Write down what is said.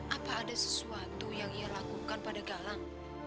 apa ada sesuatu yang ia lakukan pada galang